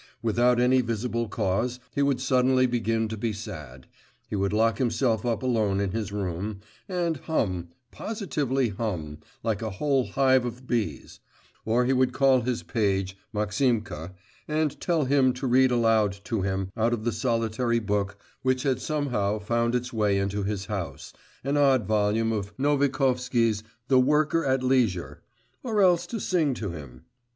Without any visible cause he would suddenly begin to be sad; he would lock himself up alone in his room, and hum positively hum like a whole hive of bees; or he would call his page Maximka, and tell him to read aloud to him out of the solitary book which had somehow found its way into his house, an odd volume of Novikovsky's The Worker at Leisure, or else to sing to him.